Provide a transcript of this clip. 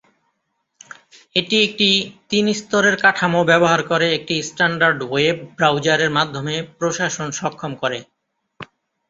এটি একটি তিন স্তরের কাঠামো ব্যবহার করে একটি স্ট্যান্ডার্ড ওয়েব ব্রাউজারের মাধ্যমে প্রশাসন সক্ষম করে।